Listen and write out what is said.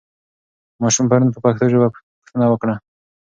ماشوم پرون په پښتو پوښتنه وکړه.